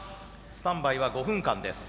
スタンバイは５分間です。